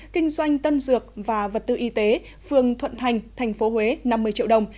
kinh doanh tân dược và vật tư y tế phường thuận thành thành phố huế năm mươi triệu đồng